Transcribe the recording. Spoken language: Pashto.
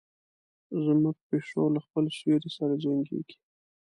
زموږ پیشو له خپل سیوري سره جنګیږي.